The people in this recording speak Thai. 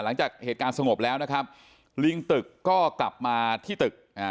หลังจากเหตุการณ์สงบแล้วนะครับลิงตึกก็กลับมาที่ตึกอ่า